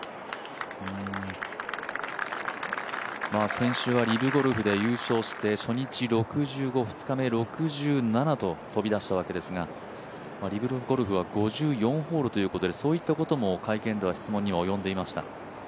先週はリブゴルフで優勝して初日６５２日目６７と飛び出したわけですが、リブゴルフは５４ホールということでそういったことも会見では質問に及んでいました。